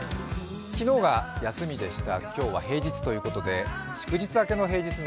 昨日は休みでした、今日が平日ということで祝日明けの平日